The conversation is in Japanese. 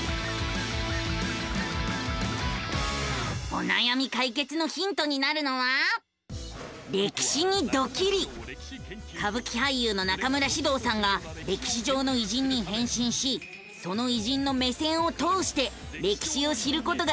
おなやみ解決のヒントになるのは歌舞伎俳優の中村獅童さんが歴史上の偉人に変身しその偉人の目線を通して歴史を知ることができる番組なのさ！